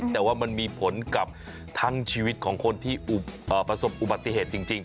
แต่ว่ามันมีผลกับทั้งชีวิตของคนที่ประสบอุบัติเหตุจริง